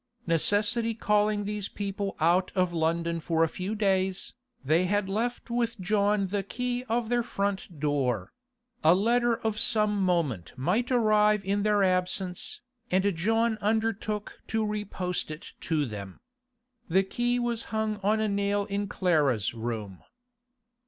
Necessity calling these people out of London for a few days, they had left with John the key of their front door; a letter of some moment might arrive in their absence, and John undertook to re post it to them. The key was hung on a nail in Clara's room.